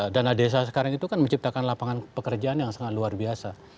dana desa sekarang itu kan menciptakan lapangan pekerjaan yang sangat luar biasa